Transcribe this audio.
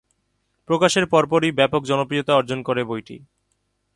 প্রকাশের পরপরই ব্যাপক জনপ্রিয়তা অর্জন করে বইটি।